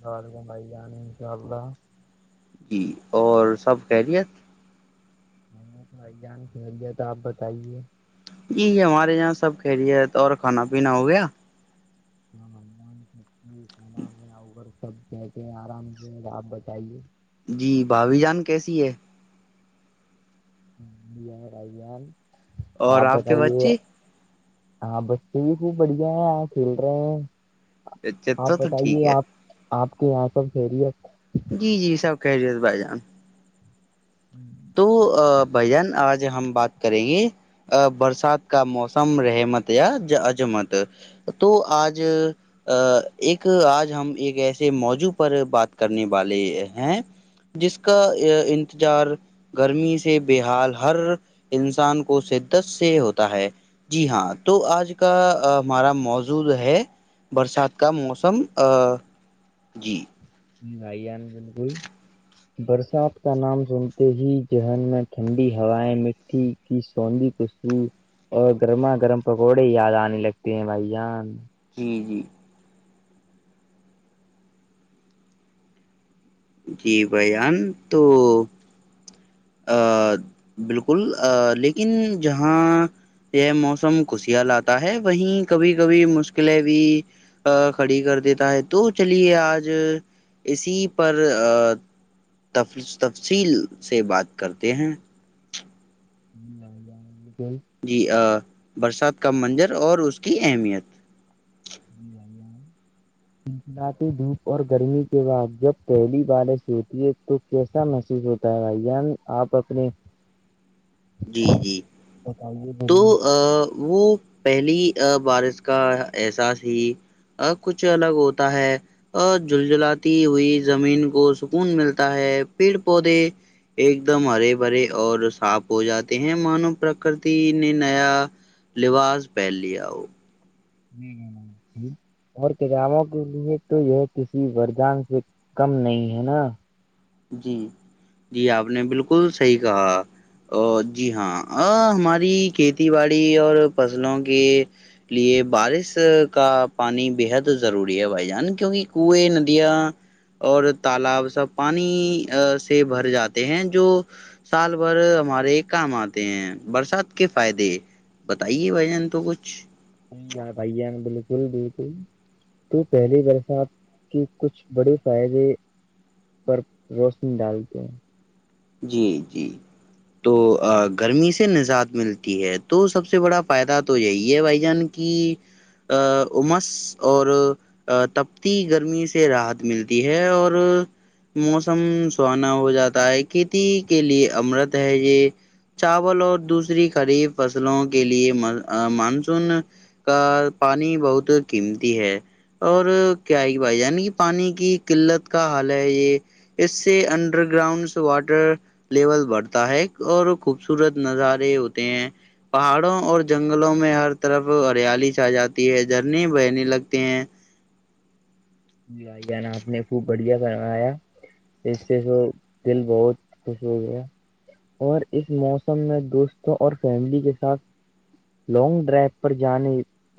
دال بنڈائی جانی چللہ جی اور سب خیریت نہیں بھائی جان خیریت آپ بتائیے جی ہمارے یہاں سب خیریت اور کھانا پینا ہو گیا مان سب کہتے آرام سے آپ بتائیے جی بھابھی جان کیسی ہے جی ہاں بھائی جان اور اپ کے بتائیے بچے ہاں بچے بھی سب بڑھیا ہیں آ کھیل رہے ہیں اچھا آپ تو تو ٹھیک بتائیے ہے آپ آپ کے یہاں سب خیریت جی جی سب خیریت سے بھائی جان [inaudible] تو بھائی جان آج ہم بات کریں گے برسات کا موسم رحمت یا عجمت تو آج آ ایک آج ہم ایک ایسے موضوع پر بات کرنے والے ہیں جس کا انتظار گرمی سے بےحال ہر انسان کو شدت سے ہوتا ہے جی ہاں تو آج کا ہمارا موضوع ہے برسات کا موسم جی جی بھائی جان برسات کا نام سنتے ہی ذہن میں ٹھنڈی ہوائیں مل [unintelligible] اور گرما گرم پکوڑے ہی یاد آنے لگتے ہیں بھائی جان جی جی جی بھائی جان تو آ بالکل لیکن جہاں یہ موسم خوشیاں لاتا ہے وہیں کبھی کبھی مشکلیں بھی ا کھڑی کر دیتا ہے تو چلیے آج اسی پر تفصیل سے بات کرتے ہیں [unintelligible] جی برسات کا منظر اور اس کی اہمیت [inaudible] ملاتی دھوپ اور گرمی کے بعد جب پہلی بارش ہوتی ہے تو کیسا محسوس ہوتا ان آپ اپنے جی جی بتائیے تو بولیے وہ پہلی بارش کا احساس ہی اور کچھ الگ ہوتا ہے اور جلجلاتی ہوئی زمین کو سکون ملتا ہے پیڑ پودے ایک دم ہرے بھرے اور صاف ہو جاتے ہیں مانو پرکرتی نے نیا لباس پہن لیا ہو [inaudible] اور کتابوں کے لیے تو یہ کسی وردان سے کم نہیں ہے نا جی جی آپ نے بالکل صحیح کہا ا جی ہاں ہماری کھیتی باڑی اور فصلوں کے لیے بارش کا پانی بےحد ضروری ہے بھائی جان کیونکہ کوویں ندیاں اور تالاب سب پانی سے بھر جاتے ہیں جو سال بھر ہمارے کام آتے ہیں برسات کے فائدے بتائیے بھائی جن تو کچھ سحی بھائی جان بالکل بالکل تو پہلی بر سےا آپ کی کچھ بڑے فائدے پر روشنی ڈالتے ہیں جی جی تو گرمی سے نجات ملتی ہے تو سب سے بڑا فائدہ تو یہی ہے بھائی جان کی امس اور تپتی گرمی سے راحت ملتی ہے اور موسم سہانا ہو جاتا ہے کھیتی کے لیے امرت ہے یہ چاول اور دوسری خریف فصلوں کے لیے مانسون کا پانی بہت قیمتی ہے اور کیا ہے کہ بھائی عنی کہ پانی کی قلت کا حال ہے یہ اس سے انڈر گراؤنڈ واٹر لیول بڑھتا ہے اور خوبصورت نظارے ہوتے ہیں پہاڑوں اور جنگلوں میں ہر طرف ہریالی چائی جاتی ہے جھرنے بہنے لگتے ہیں بھائیان آپ نے خوب بڑھیا کروایا اس سے س دل بہت خوش ہو گیا اور اس موسم میں دوستوں اور فیملی کے ساتھ لانگ ڈرائیو پر جانے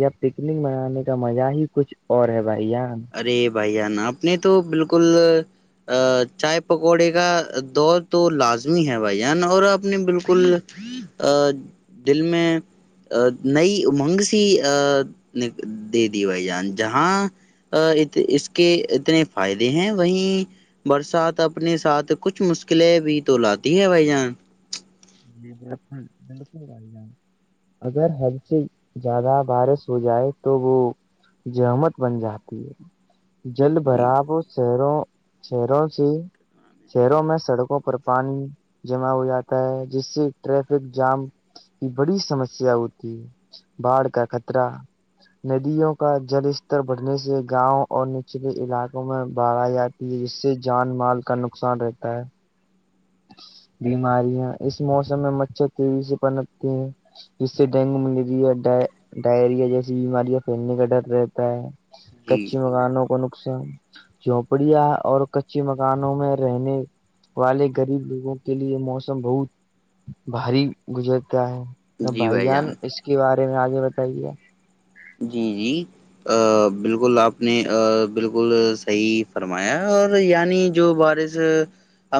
یا پکنک منانے کا مزہ ہی کچھ اور ہے بھائی ارے بھائی ن آپ نے تو بالکل ا چائے پکوڑے کا دور تو لازمی ہے بھائی جان اور اپ نے بالکل ا دل میں نئی امنگ سی دے دی بھائی جان جہاں ا اس کے اتنے فائدے ہیں وہیں برسات اپنے ساتھ کچھ مشکلیں بھی تو لاتی ہے بھائی جان [inaudible] اگر ہل سے زیادہ بارش ہو جائے تو وہ جہمت بن جاتی ہے جل جی برااب شہروں چھ رہچ شہروں میں سڑکوں پر پانی جمع ہو جاتا ہے جس سے ٹریفک جام کی بڑی سمسیا ہوتی ہے باھ کا خطرہ ندیوں کا جلستتر بڑھنے سے گاؤں اور نچلے علاقوں میں باارایا ج سے جان مال کا نقصان رہتا ہے بیماریاں اس موسم میں مچھر تیزی سے پنتتے ہیں سے ڈینگو ملیریا ڈائریا جیسی بیماریاں پھیلنے کا ڈر رہتا ہے جی کچی مکانوں کو نقصان جھوپڑیاں اور کچی مکانوں میں رہنے والے غریب لوگوں کے لیے موسم بہت بھاری گزرتا ہے تو بھائی جان اس کے بارے میں آگے بتائیے جی جی بالکل آپ نے بالکل صحیح فرمایا اور یعنی جو بارش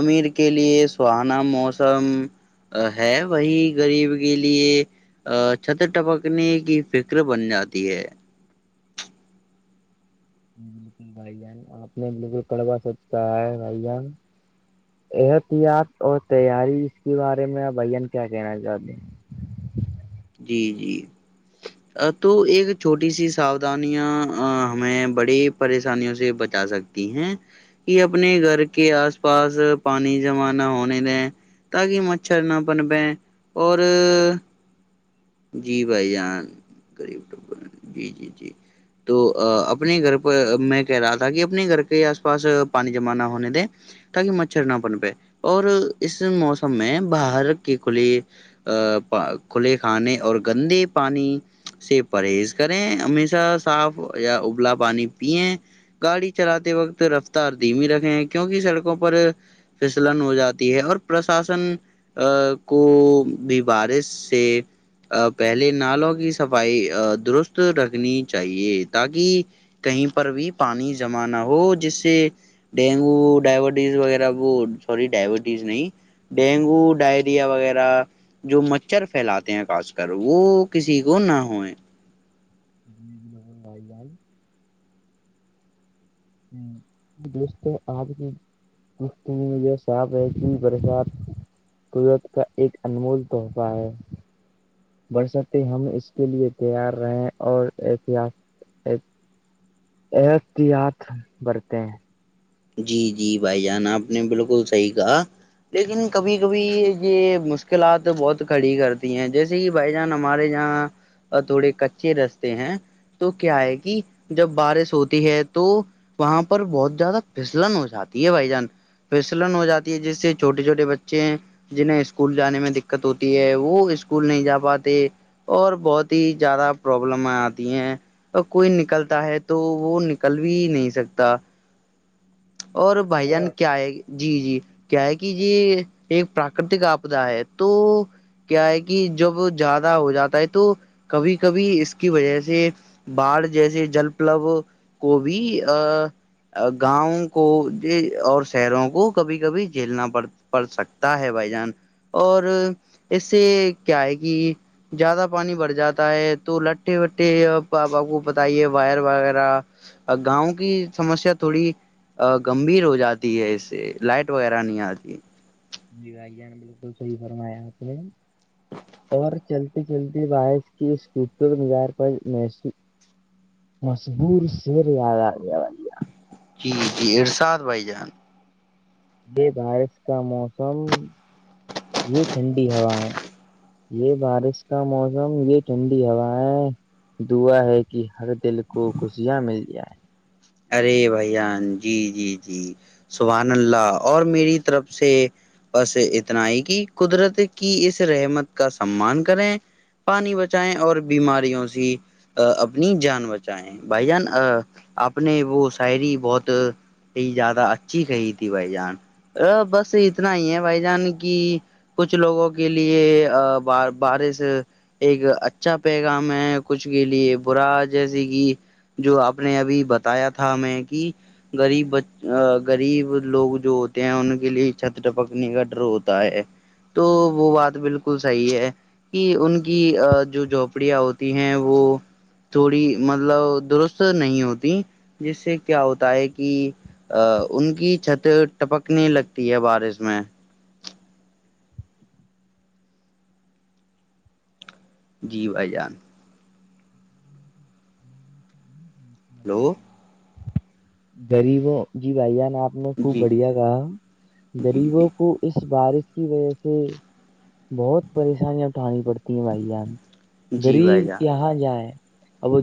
امیر کے لئے سہانا موسم ہے وہی گغریب کے لیے ا چھتر ٹپکنے کی فکر بن جاتی ہے بالکل بھائی جان آپ نے بالکل کڑبا سوچ کہا ہے بھائی جان احتیاط اور تیاری اس کے بارے میں آ بھین کیا کہنا چاہتے ہیں جی جی تو ایک چھوٹی سی ساؤودھانیاں ہمیں بڑی پریشانیوں سے بچا سکتی ہیں یہ اپنے گھر کے آس پاس پانی جمع نہ ہونے دیں تاکہ مچھر نہ بن پئے اور جی بھائی جان ریب جی جی جی تو اپنے گھر پرہ میں کہہ رہا تھا کہ اپنے گھر کے آس پاس پانی جمع نہ ہونے دیں تاکہ مچھر نہ پن پائے اور اس موسم میں باہر کی کھلی ا کھلے کھانے اور گندے پانی سے پرہیز کریں ہمیشہ صاف یا ابلا پانی پییں گاڑی چلاتے وقت رفتار دھیمی رکھے ہیں کیوںکہ سڑکوں پر فسلن ہو جاتی ہے اور پرشاسن ا کو بھی بارش سے پہلے نالوں کی صفائی درست رکھنی چاہیے تاکہ کہیں پر بھی پانی جمع نہ ہو جس سے ڈینگو ڈائبٹیز وغیرہ وہ سوری ڈائبٹیز نہیں ڈینگو ڈائریا وغیرہ جو مچھر پھیلاتے ہیں خاص کر وہ کسی کو نہ ہوئے کو وائی جائی جس آپ بھی مج یہ صاف ہےتی برسات قورت کا ایک انمول تحفہ ہے برسات ہم اس کے لیے تیار رہے اور احتیاط اححتیاط برھتے ہیں جی جی بھائی جان آپ نے بالکل صحیح کہا لیکن کبھی کبھی یہ مشکلات بہت کھڑی کرتی ہیں جیسے بائی جان ہمارے یہاں تھوڑے کچے رستے ہیں تو کیا ہے کہ جب بارش ہوتی ہے تو وہاں پر بہت زیادہ پسلن ہو جاتی ہے بھائی جان پسلن ہو جاتی ہے جس سے چھٹے چھوٹے بچے ہیں جنہیں اسکول جانے میں دقت ہوتی ہے وہ اسکول نہیں جا پاتے اور بہت ہی زیادہ پرابلم آتی ہیں کوئی نکلتا ہے تو وہ نکل بھی نہیں سکتا اور بھائی جان کیا ہے جی جی کیا ہے کہ یہ ایک پراکرتک آپدا ہے تو کیا ہے کہ جب زیادہ ہو جاتا ہے تو کبھی کبھی اس کی وجہ سے باڑھ جیسے جل پلو کو بھی ا گاؤں کو اور شہروں کو کبھی کبھی جھیلنا پڑ پڑ سکتا ہے بھائی جان اور اس سے کیا ہے گ زیادہ پانی بھر جاتا ہے تو لٹھے وٹھے پاپا کو بتائیے وائر وغیرہ گاؤں کی سمسیا تھوڑی گمبھیر ہو جاتی ہے اس سے لائٹ وغیرہ نہیں آتی جی آائیان بالکل صحی فرمایا آپ نے اور چلتی چلتی بائک کی اسکوٹر مزار پر محسو مضبور سییریا آ گ جی جی ارشاد بھائی جان یہ بارش کا موسم یہ ٹھنڈی ہوا ہے یہ بارش کا موسم یہ ٹھنڈی ہوا ہے دعا ہے کہ ہر دل کو خوشیاں مل جائیں ارے بھیاان جی جی جی سبان اللہ اور میری طرف سے بس اتنا ہی کہ قدرت کی اس رحمت کا سمان کریں پانی بچائائےیں اور بیماریوں سے اپنی جان بچائیں بھائی جان آپ نے وہ شاعری بہت یہ زیادہ اچھی کہی تھی بھائی جان ا بس اتنا ہی ہے بھائی جان کی کچھ لوگوں کے لیے بارش ایک اچھا پیغام ہے کچھ کے لیے برا جیسے کہ جو آپ نے ابھی بتایا تھا ہمیں کہ غریب ب غریب لوگ جو ہوتے ہیں ان کے لیے چھت پکنے کا ڈر ہوتا ہے تو وہ بات بالکل صحی ہے کہ ان کی جو جھونپڑیاں ہوتی ہیں وہ تھوڑی مطلب درست نہیں ہوتی جس سے کیا ہوتا ہے کہ ا ان کی چھت ٹپکنے لگتی ہے بارش میں جیو ا جان [unintelligible] ہلو غریبوں جی بھائی جان آپ نے خوب جی بڑھیا کہا جی جی غریبوں کو اس بارش کی وجہ سے بہت پریشانیاں اٹھانی پڑتی ہیں بھائی جان جی غریب بھائی جان یہاں جائے اب وہ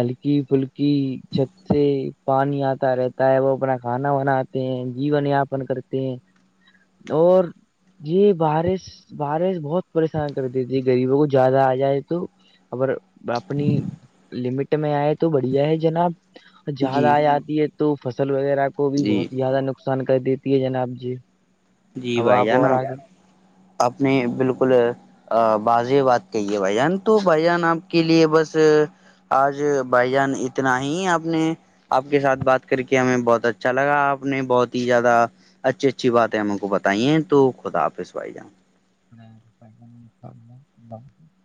ہلکی پھلکی چھت سے پانی آتا رہتا ہے وہ اپنا کھانا بنا کر ہیں جین یاپن کرتے ہیں اور جی بارش بارش بہت پریشان کرتی تھی غریبوں کو زیادہ آ جائے تو اگر اپنی لمٹ میں آئے تو بڑھیا ہے جناب جد جی آ آتی ہے تو فصل وغیرہ کو بھی جی بہت زیادہ نقصان کر دیتی ہے جناب جی جی اب بھائی آپ اور جانا آگے آپ آپ نے بالکل ا باز بات کہیے بھ جان تو بھ جان آپ کے لیے بس آج بھائی جان اتنا ہی آپ نے آپ کے ساتھ بات کر کے ہمیں بہت اچھا لگا آپ نے بہت ہی زیادہ اچھی اچھی بات ہے بتائیے تو خدا آافظ آائی جان ہاں